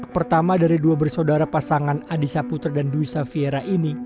pertama dari dua bersaudara pasangan adisa putra dan duisa fiera ini